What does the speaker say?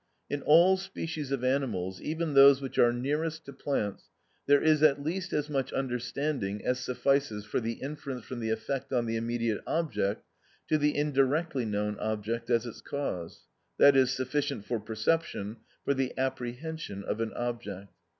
In all species of animals, even those which are nearest to plants, there is at least as much understanding as suffices for the inference from the effect on the immediate object, to the indirectly known object as its cause, i.e., sufficient for perception, for the apprehension of an object.